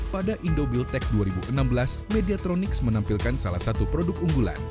pada indobuiltek dua ribu enam belas mediatronics menampilkan salah satu produk unggulan